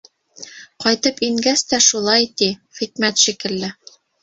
Ҡайтып ингәс тә шулай, ти, хикмәт шикелле.